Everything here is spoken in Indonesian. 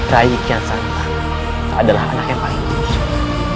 rakyat santan adalah anak yang paling kusuh